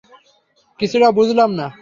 কিছুটা বুঝলাম না!